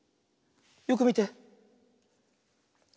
よくみて。